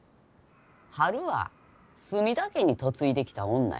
ハルは角田家に嫁いできた女やで。